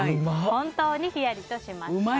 本当にヒヤリとしました。